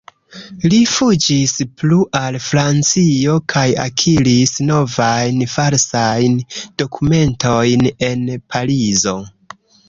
Li fuĝis plu al Francio kaj akiris novajn falsajn dokumentojn en Parizo.